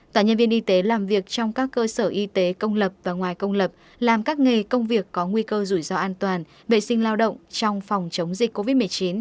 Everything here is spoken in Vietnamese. cả nhân viên y tế làm việc trong các cơ sở y tế công lập và ngoài công lập làm các nghề công việc có nguy cơ rủi ro an toàn vệ sinh lao động trong phòng chống dịch covid một mươi chín